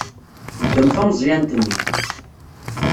Ddem tameẓyant-nni.